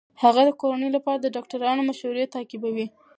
هغه د کورنۍ لپاره د ډاکټرانو مشورې تعقیبوي.